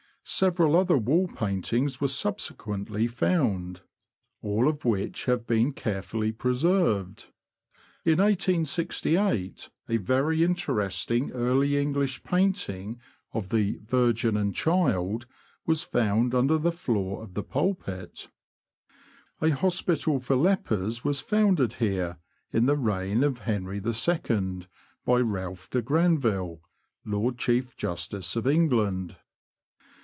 Severa^ other wall paintings were subsequently found, all of which have been carefully preserved. In 1868 a very interesting Early English painting of the "Virgin and Child " was found under the floor of the pulpit. THURNE MOUTH TO HICKLING, ETC. 203 An hospital for lepers was founded here, in the reign of Henry II., by Ralphe de Granville, Lord Chief Justice of England.